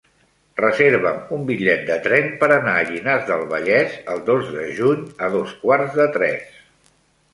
Reserva'm un bitllet de tren per anar a Llinars del Vallès el dos de juny a dos quarts de tres.